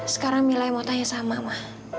sekarang mila yang mau tanya sama ma